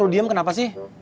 dia selalu diam kenapa sih